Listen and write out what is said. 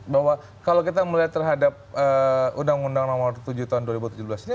bahwa kalau kita melihat terhadap undang undang nomor tujuh tahun dua ribu tujuh belas ini